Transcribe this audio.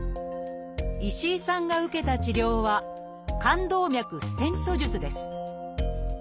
石井さんが受けた治療は「冠動脈ステント術」です。